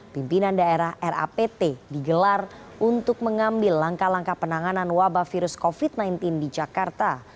pimpinan daerah rapt digelar untuk mengambil langkah langkah penanganan wabah virus covid sembilan belas di jakarta